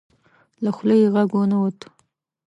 له خولې یې غږ ونه وت.